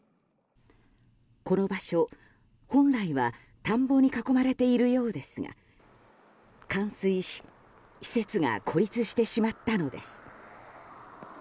この場所、本来は田んぼに囲まれているようですが冠水し、施設が孤立してしまったのです。